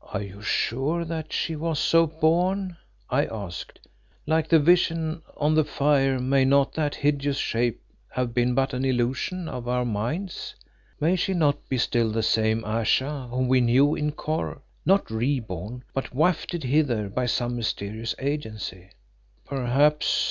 "Are you sure that she was so born?" I asked. "Like the visions on the fire, may not that hideous shape have been but an illusion of our minds? May she not be still the same Ayesha whom we knew in Kôr, not re born, but wafted hither by some mysterious agency?" "Perhaps.